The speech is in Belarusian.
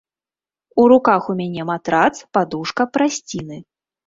У руках у мяне матрац, падушка, прасціны.